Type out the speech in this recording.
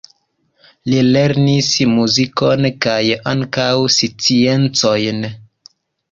Li lernis muzikon kaj ankaŭ sciencojn.